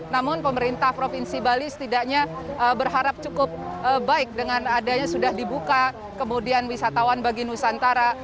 namun pemerintah provinsi bali setidaknya berharap cukup baik dengan adanya sudah dibuka kemudian wisatawan bagi nusantara